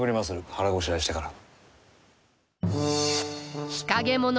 腹ごしらえしてから。